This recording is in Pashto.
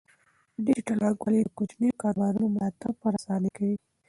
ډیجیټل بانکوالي د کوچنیو کاروبارونو ملاتړ په اسانۍ کوي.